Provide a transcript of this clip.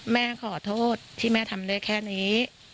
แม่ขอโทษที่แม่ทำได้แค่นี้